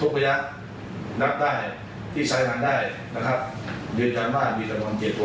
ว่าเหตุที่ราวมาทั้งหมดก็เป็นเรื่องพยายามบอกล่าว